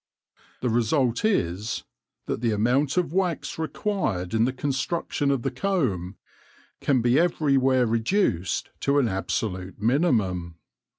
The result is that the amount of wax required in the construction of the comb can be everywhere reduced to an absolute minimum.